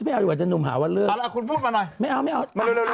เอาละคุณพูดมาหน่อยเพิ่งอีก๕นาที